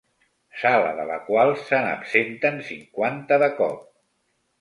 Sala de la qual se n'absenten cinquanta de cop.